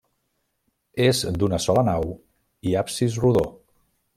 És d'una sola nau i absis rodó.